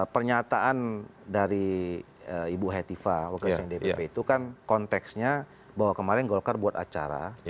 pernyataan dari ibu hetiva wakil dpp itu kan konteksnya bahwa kemarin golkar buat acara